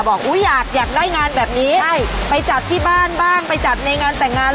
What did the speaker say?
อุ้ยอยากอยากได้งานแบบนี้ไปจัดที่บ้านบ้างไปจัดในงานแต่งงาน